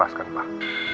aku sudah bisa pak